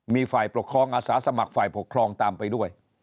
มีฝ่ายปกครองอาสาสมัครฝ่ายปกครองตามไปด้วย